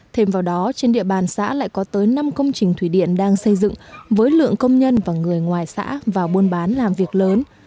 thêm vào đó trên địa bàn xã lại có tới năm công trình thủy điện đang xây dựng với lượng công nhân và người ngoài xã vào buôn bán làm việc lớn